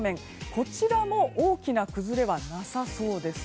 こちらも、大きな崩れはなさそうです。